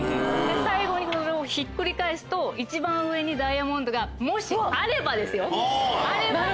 最後にひっくり返すと一番上にダイヤモンドがもしあればですよ。